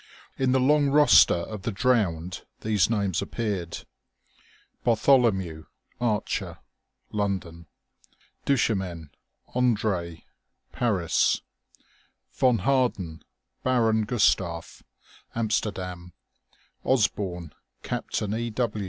In the long roster of the drowned these names appeared: Bartholomew, Archer London Duchemin, André Paris Von Harden, Baron Gustav Amsterdam Osborne, Captain E.